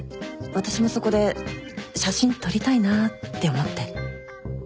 私もそこで写真撮りたいなって思って。